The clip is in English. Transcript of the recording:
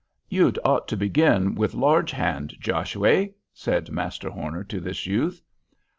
"You'd ought to begin with large hand, Joshuay," said Master Horner to this youth.